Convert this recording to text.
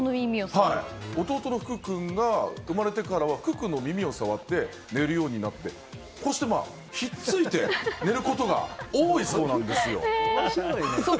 弟のふく君が生まれてからはふく君の耳を触って寝るようになってひっついて寝ることが多いそうなんですよ。